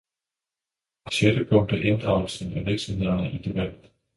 Det sjette punkt er inddragelse af virksomhederne i debatten.